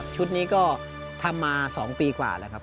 ชุดนี้ก็ทำมา๒ปีกว่าแล้วครับ